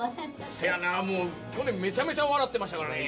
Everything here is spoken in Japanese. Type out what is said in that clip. せやなもう去年メチャメチャ笑ってましたからね。